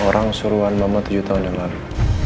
orang suruhan bama tujuh tahun yang lalu